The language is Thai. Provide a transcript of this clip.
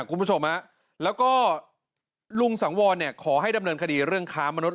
คุณผู้ชมฮะแล้วก็ลุงสังวรเนี่ยขอให้ดำเนินคดีเรื่องค้ามนุษย